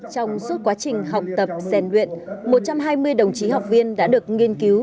trong suốt quá trình học tập rèn luyện một trăm hai mươi đồng chí học viên đã được nghiên cứu